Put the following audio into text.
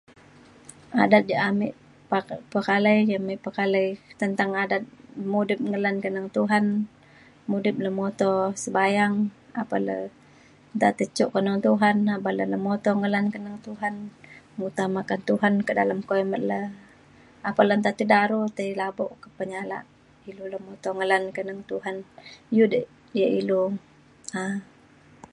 adat je' ame pak- pekalai ia mik pekalai tentang adat mudip ngelan teneng Tuhan mudip lemoto sabayang apan le nta tai cuk keneng Tuhan apan le lemoto ngelan keneng Tuhan utamakan Tuhan ka dalem kimet le apan le nta tei daro tei labok ke penyalak ilu lemoto ngelan keneng Tuhan iu de ia ilu um